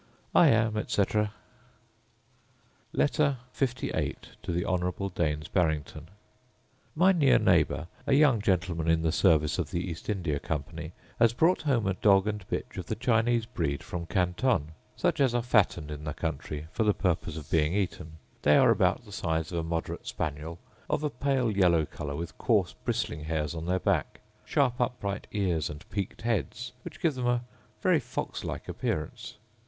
* See my tenth and eleventh letter to that gentleman. I am, etc. Letter LVIII To The Honourable Daines Barrington My near neighbour, a young gentleman in the service of the East India Company, has brought home a dog and a bitch of the Chinese breed from Canton; such as are fattened in the country for the purpose of being eaten: they are about the size of a moderate spaniel; of a pale yellow colour, with coarse bristling hairs on their backs; sharp upright ears, and peaked heads, which give them a very fox like appearance.